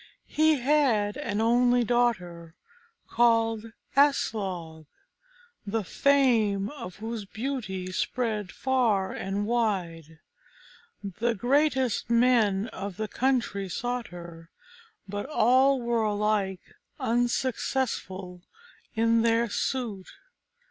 He had an only daughter, called Aslog, the fame of whose beauty spread far and wide. The greatest men of the country sought her, but all were alike unsuccessful in their suit.